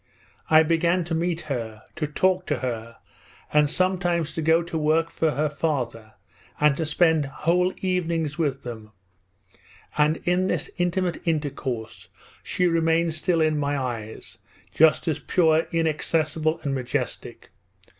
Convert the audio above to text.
I began to meet her, to talk to her, and sometimes to go to work for her father and to spend whole evenings with them, and in this intimate intercourse she remained still in my eyes just as pure, inaccessible, and majestic.